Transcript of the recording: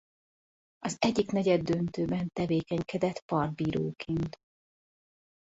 Az egyik negyeddöntőben tevékenykedett partbíróként.